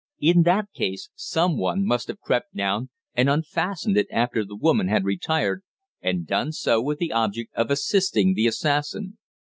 In that case someone must have crept down and unfastened it after the woman had retired, and done so with the object of assisting the assassin.